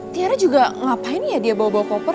tiara juga ngapain ya dia bawa bawa koper